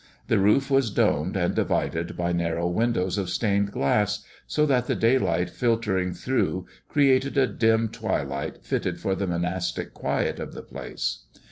The roof was domed, and divided by narrow win dows of stained glass, so that the daylight filtering through created a dim twilight, fitted for the monastic quiet of the place.